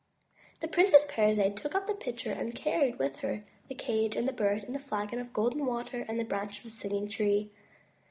The Princess Parizade took up the pitcher, and carried with her the cage and the Bird, the flagon of Golden Water and the branch of the Singing Tree.